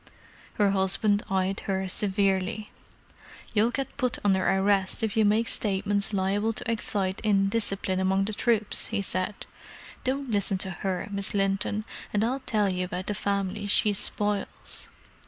Her husband eyed her severely. "You'll get put under arrest if you make statements liable to excite indiscipline among the troops!" he said. "Don't listen to her, Miss Linton, and I'll tell you about the family she spoils.